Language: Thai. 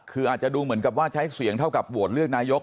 คืออาจจะดูเหมือนกับว่าใช้เสียงเท่ากับโหวตเลือกนายก